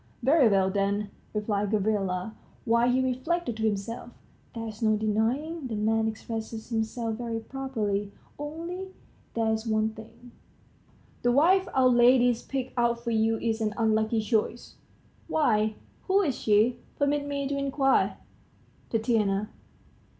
"Very well, then," replied Gavrila, while he reflected to himself: "There's no denying the man expresses himself very properly. Only there's one thing," he pursued aloud: "the wife our lady's picked out for you is an unlucky choice." "Why, who is she, permit me to inquire?" "Tatiana."